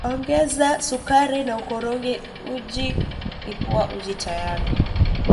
Ongeza sukari na ukoroge uji Ipua uji tayari